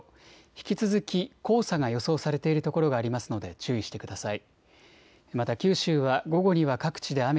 引き続き黄砂が予想されている所がありますので注意してください。